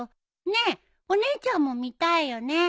ねっお姉ちゃんも見たいよね？